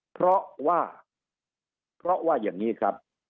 เพราะว่าอย่างนี้ครับ